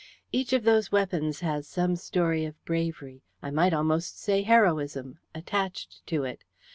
"Each of those weapons has some story of bravery, I might almost say heroism, attached to it.